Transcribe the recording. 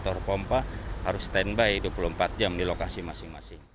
motor pompa harus standby dua puluh empat jam di lokasi masing masing